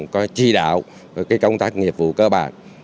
có chi đạo công tác nghiệp vụ cơ bản